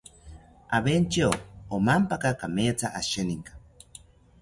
Aventyo omampaka kametha asheninka